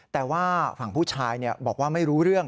แต่ว่าฝั่งผู้ชายบอกว่าไม่รู้เรื่อง